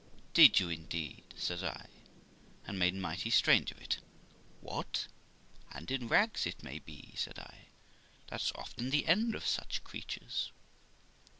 'Did you indeed?' says I (and made mighty strange of it); 'what! and in rags, it may be' said I; 'that's often the end of such creatures.'